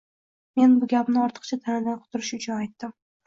Men bu gapni ortiqcha taʼnadan qutulish uchun aytdim.